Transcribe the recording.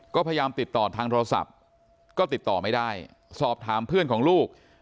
ก็พยายามติดต่อทางโทรศัพท์ก็ติดต่อไม่ได้สอบถามเพื่อนของลูก